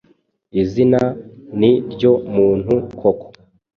Izina ni ryo muntu koko!